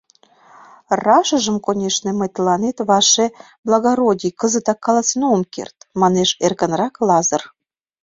— Рашыжым, конешне, мый тыланет, ваше благородий, кызыт каласен ом керт, — манеш эркынрак Лазыр.